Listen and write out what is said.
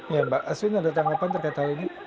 ya mbak aswin ada tanggapan terkait hal ini